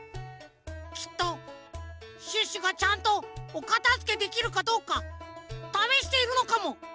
きっとシュッシュがちゃんとおかたづけできるかどうかためしているのかも！